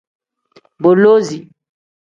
Bolosiv.